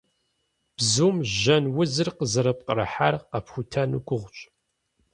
Бзум жьэн узыр къызэрыпкърыхьар къэпхутэну гугъущ.